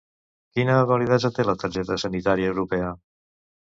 Quina validesa té la targeta sanitària europea?